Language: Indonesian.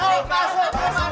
masuk masuk masuk